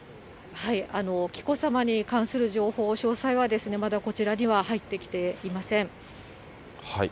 紀子さまに関する情報、詳細はまだこちらには入ってきていません。